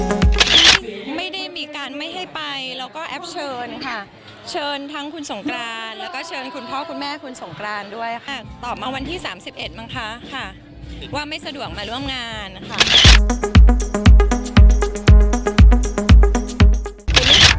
ไม่ได้มีการไม่ให้ไปแล้วก็แอปเชิญค่ะเชิญทั้งคุณสงกรานแล้วก็เชิญคุณพ่อคุณแม่คุณสงกรานด้วยค่ะตอบมาวันที่๓๑มั้งคะค่ะว่าไม่สะดวกมาร่วมงานนะคะ